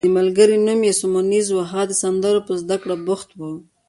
د ملګري نوم یې سیمونز وو، هغه د سندرو په زده کړه بوخت وو.